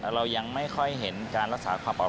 เรายังไม่ค่อยเห็นการรักษาความปลอดภัย